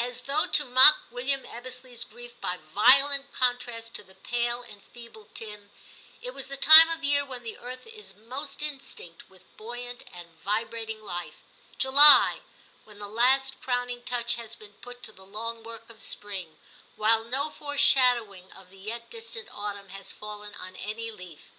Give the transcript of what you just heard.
As though 292 TIM CHAP. to mock William Ebbesley's grief by violent contrast to the pale and feeble Tim, it was the time of year when the earth is most instinct with buoyant and vibrating life, — July, when the last crowning touch has been put to the long work of spring, while no foreshadowing of the yet distant autumn has fallen on any leaf.